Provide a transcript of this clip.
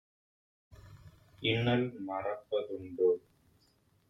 இன்னல் மறப்ப துண்டோ?"